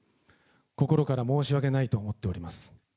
心から申し訳ないと思っております。